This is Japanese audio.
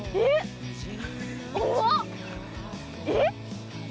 えっ？